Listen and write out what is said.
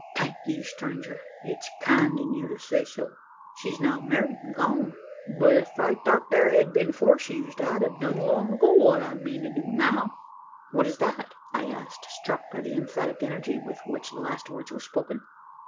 "Thank ye, stranger! it's kind in you to say so. She's now married an' gone: but if I thort thar had been force used, I'd 'a done long ago what I mean to do now." "What is that?" I asked, struck by the emphatic energy with which the last words were spoken.